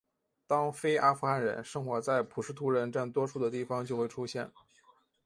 当非阿富汗人生活在普什图人占多数的地方就会出现。